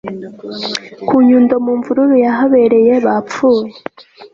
ku nyundo mu mvururu yahabereye bapfuye